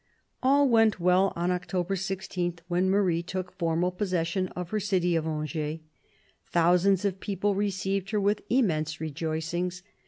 All went well on October 16, when Marie took formal possession of her city of Angers. Thousands of people received her with immense rejoicings.